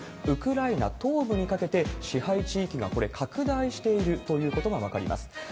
ウクライナ東部にかけて支配地域が、これ、拡大しているということが分かります。